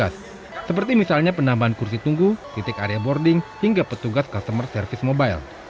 seperti misalnya penambahan kursi tunggu titik area boarding hingga petugas customer service mobile